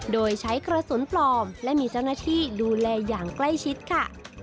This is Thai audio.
โดยใช้กระสุนปลอมและมีเจ้าหน้าที่ดูแลอย่างใกล้ชิดค่ะ